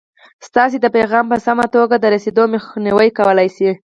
ستاسې د پیغام په سمه توګه د رسېدو مخنیوی کولای شي.